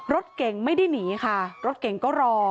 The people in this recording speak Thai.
รถเก่งไม่ได้หนีค่ะรถเก่งก็รอ